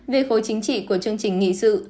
về khối chính trị của chương trình nghị sự